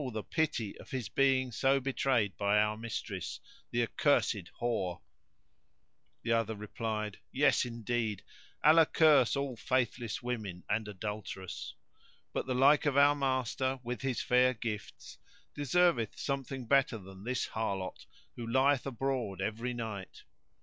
the pity of his being so betrayed by our mistress, the accursed whore!"[FN#118] The other replied, "Yes indeed: Allah curse all faithless women and adulterous; but the like of our master, with his fair gifts, deserveth something better than this harlot who lieth abroad every night."